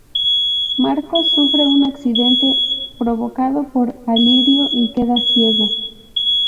Marcos sufre un accidente provocado por Alirio y queda ciego.